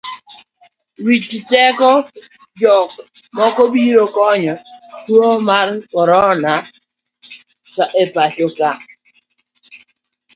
Wich teko jok moko biro konyo duoko tuo mar korona e pachoka.